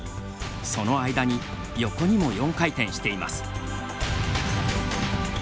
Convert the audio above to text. その間に横にも４回転しています。